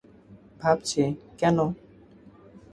ভাবছি, কেন?